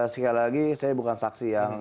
sekali lagi saya bukan saksi yang